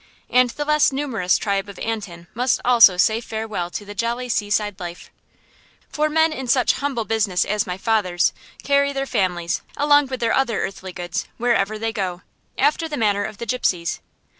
And the less numerous tribe of Antin must also say farewell to the jolly seaside life; for men in such humble business as my father's carry their families, along with their other earthly goods, wherever they go, after the manner of the gypsies.